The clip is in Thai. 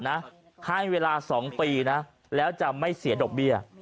ให้เวลา๒ปีนะแล้วจะไม่เสียดอกเบี้ย